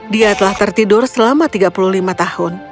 dia telah tertidur selama tiga puluh lima tahun